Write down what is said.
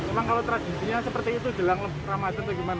emang kalau tradisinya seperti itu jelang ramadan itu gimana